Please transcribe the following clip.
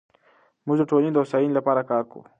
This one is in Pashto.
موږ د ټولنې د هوساینې لپاره کار کوو.